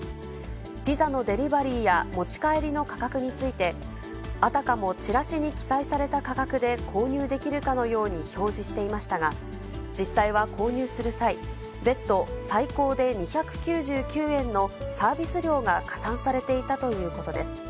ピザのデリバリーや持ち帰りの価格について、あたかもチラシに記載された価格で購入できるかのように表示していましたが、実際は購入する際、別途最高で２９９円のサービス料が加算されていたということです。